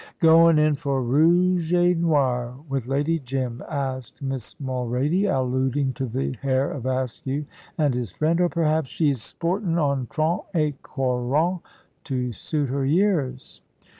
"Goin' in for rouge et noir with Lady Jim?" asked Miss Mulrady, alluding to the hair of Askew and his friend; "or perhaps she's sportin' on trente et quarante, to suit her years."